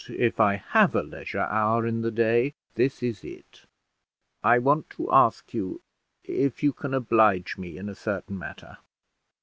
If I have a leisure hour in the day, this is it." "I want to ask you if you can oblige me in a certain matter."